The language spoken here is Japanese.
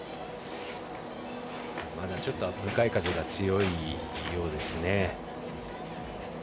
まだちょっと向かい風が強いようですね。